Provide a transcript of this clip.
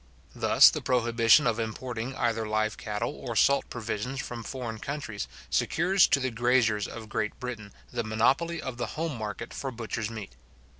Thus the prohibition of importing either live cattle or salt provisions from foreign countries, secures to the graziers of Great Britain the monopoly of the home market for butcher's meat.